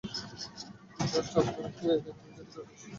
Just আপনাকে দেখানোর জন্য দ্রুত এসেছি।